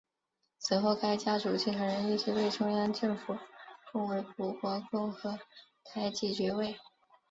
此后该家族继承人一直被中央政府封为辅国公或台吉爵位。